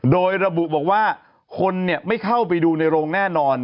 โดยระบุบอกว่าคนไม่เข้าไปดูในโรงแน่นอน